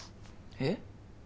えっ？